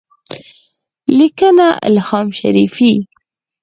لیکنه الهام شریفي